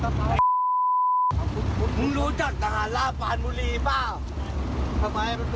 เพราะว่าคุณอยากจะไปแล้วครับ